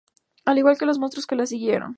Al igual que los monstruos que le siguieron.